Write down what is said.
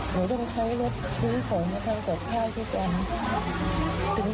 หนูต้องใช้รถชุมของมาทำกับแพทย์ที่กัน